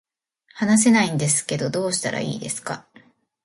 話せないんですけどどうしたらいいですか